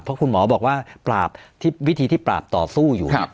เพราะคุณหมอบอกว่าปราบวิธีที่ปราบต่อสู้อยู่